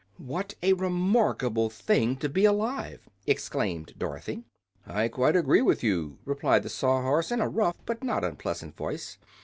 "What a remarkable thing, to be alive!" exclaimed Dorothy. "I quite agree with you," replied the Sawhorse, in a rough but not unpleasant voice.